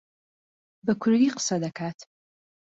بە کوردی قسە دەکات.